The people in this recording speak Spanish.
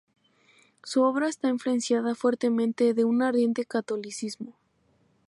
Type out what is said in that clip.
Su obra está influenciada fuertemente de un ardiente catolicismo.